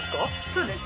そうです